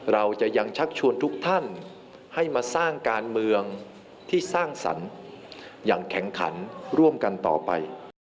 เราจะยังชักชวนทุกท่านให้มาสร้างการเมืองที่สร้างสรรค์อย่างแข็งขันร่วมกันต่อไป